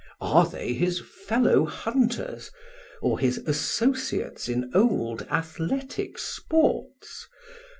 Are they his fellow hunters, or his associates in old athletic sports?